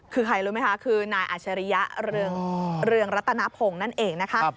คือใครรู้ไหมคะคือนายอัชริยะเรืองรัตนพงศ์นั่นเองนะคะ